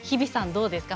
どうですか？